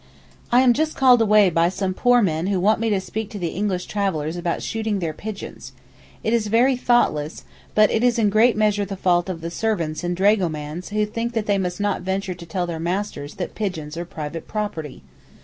I am just called away by some poor men who want me to speak to the English travellers about shooting their pigeons. It is very thoughtless, but it is in great measure the fault of the servants and dragomans who think they must not venture to tell their masters that pigeons are private property.